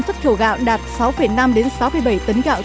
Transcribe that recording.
xuất khẩu gạo đạt sáu năm sáu bảy tấn gạo